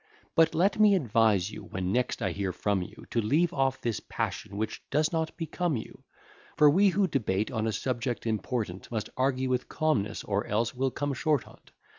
But let me advise you, when next I hear from you, To leave off this passion which does not become you; For we who debate on a subject important, Must argue with calmness, or else will come short on't.